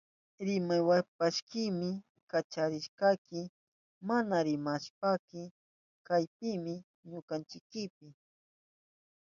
Rimawashpaykimi kacharishkayki. Mana rimawashpaykika kaypimi wañuchishkayki.